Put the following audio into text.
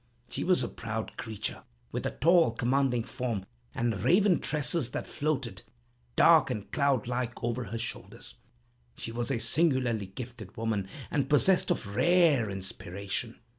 She was a proud creature, with a tall, commanding form, and raven tresses, that floated, dark and cloud like, over her shoulders. She was a singularly gifted woman, and possessed of rare inspiration.